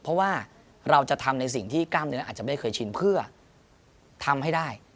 เพราะว่าเราจะทำในสิ่งที่กล้ามเนื้ออาจจะไม่เคยชินเพื่อทำให้ได้